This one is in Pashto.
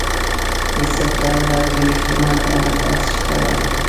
د سپټمبر درویشتمه د عرفات شپه وه.